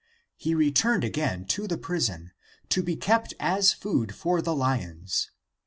He returned again to the prison, to be kept as food for the lions.